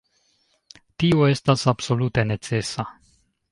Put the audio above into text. Tio estas absolute necesa!